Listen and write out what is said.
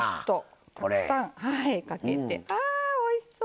たくさんかけておいしそう！